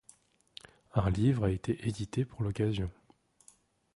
Un livre a été édité pour l'occasion.